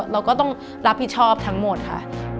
เราก็ต้องรับผิดชอบทั้งหมดค่ะ